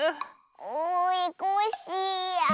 おいコッシーや。